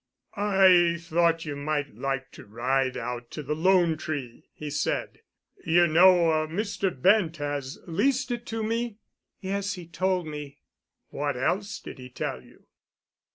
"I thought you might like to ride out to the 'Lone Tree,'" he said. "You know Mr. Bent has leased it to me?" "Yes, he told me." "What else did he tell you?"